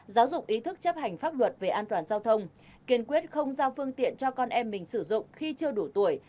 giáo dục ý thức chấp hành pháp luật về an toàn giao thông kiên quyết không giao phương tiện cho con em mình sử dụng khi chưa đủ tuổi